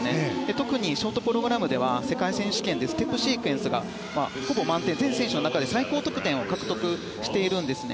特にショートプログラムではステップシークエンスがほぼ満点、全選手の中で最高得点獲得しているんですね。